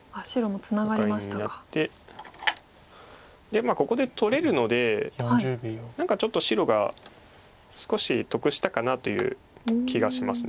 でここで取れるので何かちょっと白が少し得したかなという気がします。